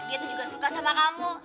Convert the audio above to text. dia tuh juga suka sama kamu